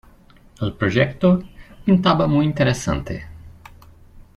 El proyecto pintaba muy interesante.